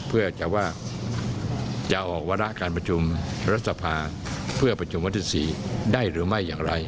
เพื่อจะว่าจะออกวาระการประชุมรัฐสภาเพื่อประชุมวันที่๔ได้หรือไม่อย่างไร